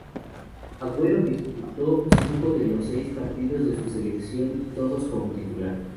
Agüero disputó cinco de los seis partidos de su Selección, todos como titular.